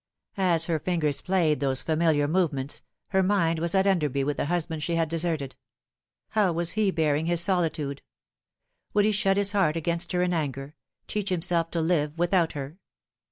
As her fingers played those familiar movements, her mind was at Enderby with the husband she had deserted. How was he bear ing his solitude ? Would he shut his heart against her in anger, teach himself to live without her